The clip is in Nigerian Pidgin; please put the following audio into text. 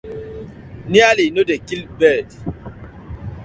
Nearly no dey kill bird: